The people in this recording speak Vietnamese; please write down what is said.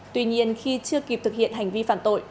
tuy nhiên khi chưa kịp thực hiện hành vi phạm tội